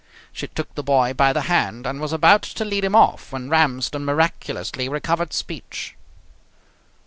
She took the boy by the hand, and was about to lead him off, when Ramsden miraculously recovered speech.